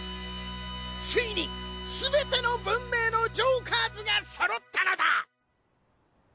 ついにすべての文明のジョーカーズがそろったのだ！